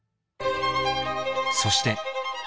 ［そして］